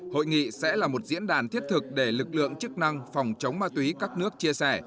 hội nghị sẽ là một diễn đàn thiết thực để lực lượng chức năng phòng chống ma túy các nước chia sẻ